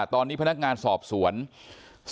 ตอนนี้พนักงานศอบสวรรณฯ